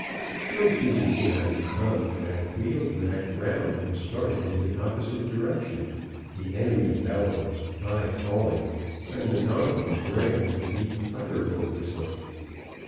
So dizzy did I become that I wheeled Mac round and started in the opposite direction, the enemy bellowing, I calling, and the donkey braying to beat a fire boat whistle.